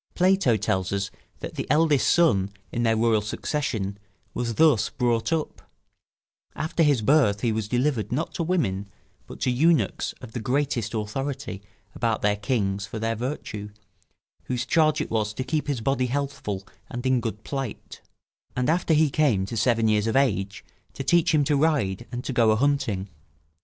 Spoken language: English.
Plato tells us that the eldest son in their royal succession was thus brought up; after his birth he was delivered, not to women, but to eunuchs of the greatest authority about their kings for their virtue, whose charge it was to keep his body healthful and in good plight; and after he came to seven years of age, to teach him to ride and to go a hunting.